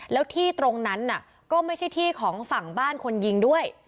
แล้วที่ตรงนั้นก็ไม่ใช่ที่ของฝั่งบ้านคนยิงด้วย